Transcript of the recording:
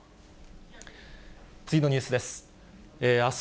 次のニュースです。